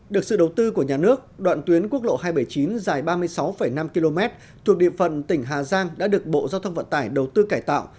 được sự đầu tư của nhà nước đoạn tuyến quốc lộ hai trăm bảy mươi chín dài ba mươi sáu năm km thuộc địa phận tỉnh hà giang đã được bộ giao thông vận tải đầu tư cải tạo